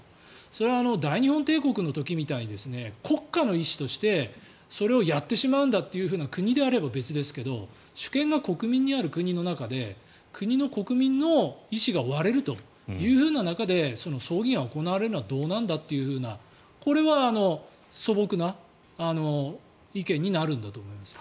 それは大日本帝国の時みたいに国家の意思としてそれをやってしまうんだっていう国であれば別ですけど主権が国民にある国の中で国の国民の意思が割れるというふうな中でその葬儀が行われるのはどうなんだっていうこれは素朴な意見になるんだと思います。